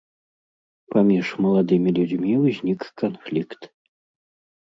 Паміж маладымі людзьмі ўзнік канфлікт.